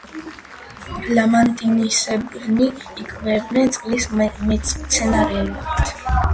ლამანტინისებრნი იკვებებიან წყლის მცენარეულობით.